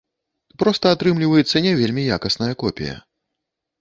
Проста атрымліваецца не вельмі якасная копія.